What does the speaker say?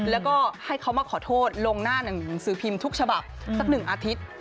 แล้วก็ให้เขามาขอโทษลงหน้าหนึ่งหนังสือพิมพ์ทุกฉบับสัก๑อาทิตย์